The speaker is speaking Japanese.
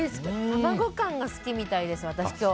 卵感、好きみたいです。